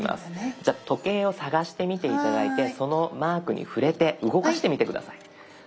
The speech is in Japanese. じゃあ時計を探してみて頂いてそのマークに触れて動かしてみて下さい。